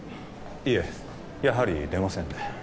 いえやはり出ませんね